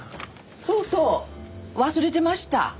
そうそう忘れてました。